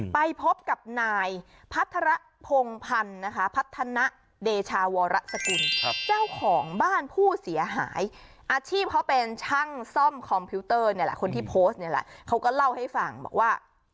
ไปพบกับนายพัฒระพงพรรณพัฒนเดชาวรสกุลเจ้าของบ้านผู้เสียหายอาชีพเขาเป็นช่างซ่อมคอมพิวเตอร์คนที่โพสต์เขาก็เล่าให้ฟังว่า